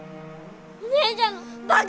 お姉ちゃんのバカ！